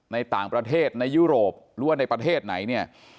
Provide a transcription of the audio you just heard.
ในต่างประเทศในยุโรปหรือว่าในประเทศไหนเนี่ย